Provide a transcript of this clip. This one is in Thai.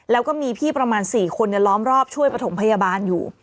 แล้วก็มีพี่ประมาณ๔คนล้อมรอบช่วยประถมพยาบาลอยู่